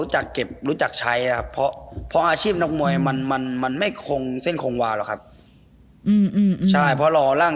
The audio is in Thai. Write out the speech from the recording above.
เฮ้ยิบหรอ